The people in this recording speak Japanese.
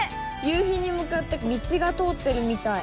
夕日に向かって道が通ってるみたい。